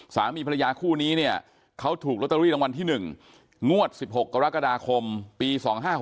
สามีภรรยาคู่นี้เนี่ยเขาถูกลอตเตอรี่รางวัลที่๑งวด๑๖กรกฎาคมปี๒๕๖๖